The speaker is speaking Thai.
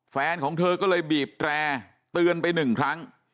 แฟนของเธอก็เลยบีบแตร่เตือนไปหนึ่งครั้ง